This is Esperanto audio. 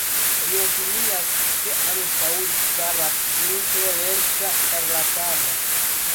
Li opinias, ke antaŭ li staras simple lerta ĉarlatano.